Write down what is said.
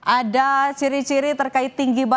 ada ciri ciri yang berbeda dengan polda metro jaya